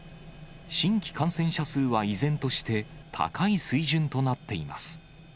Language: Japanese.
新規感染者数は依然として高い水準となっています。